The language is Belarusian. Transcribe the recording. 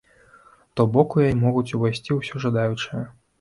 То бок, у яе могуць увайсці ўсе жадаючыя.